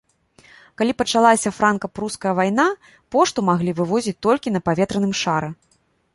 Калі пачалася франка-пруская вайна, пошту маглі вывозіць толькі на паветраным шары.